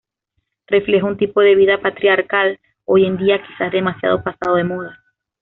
Refleja un tipo de vida patriarcal, hoy en día quizá demasiado pasado de moda.